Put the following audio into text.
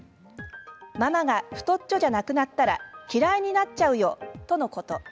ママが太っちょじゃなくなったら嫌いになっちゃうよ、とのこと。